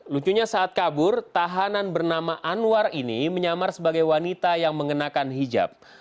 lucunya saat kabur tahanan bernama anwar ini menyamar sebagai wanita yang mengenakan hijab